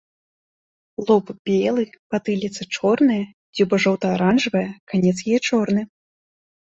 Лоб белы, патыліца чорная, дзюба жоўта-аранжавая, канец яе чорны.